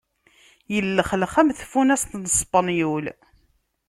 Illexlex am tfunast n ṣpenyul.